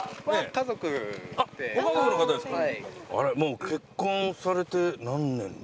ご家族の方ですか。